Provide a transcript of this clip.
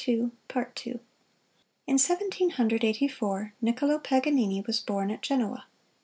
In Seventeen Hundred Eighty four, Niccolo Paganini was born at Genoa.